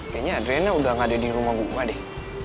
kayanya adriana udah gak ada di rumah gue deh